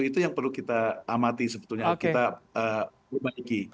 itu yang perlu kita amati sebetulnya kita perbaiki